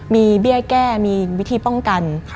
มีเบี้ยแก้มีวิธีป้องกัน